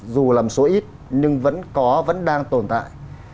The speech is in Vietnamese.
dù làm số ít nhưng vẫn có vẫn đang tồn tại